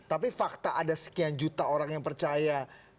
tapi fakta ada sekian juta orang yang percaya